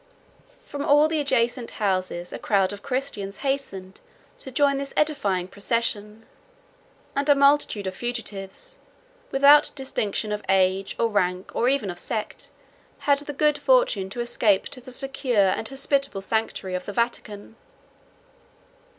From all the adjacent houses, a crowd of Christians hastened to join this edifying procession; and a multitude of fugitives, without distinction of age, or rank, or even of sect, had the good fortune to escape to the secure and hospitable sanctuary of the Vatican.